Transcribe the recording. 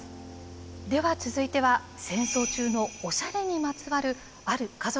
では続いては戦争中のおしゃれにまつわるある家族の物語です。